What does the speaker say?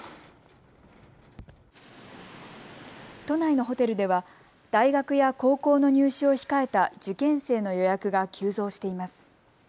都内のホテルでは大学や高校の入試を控えた受験生の予約が急増しています。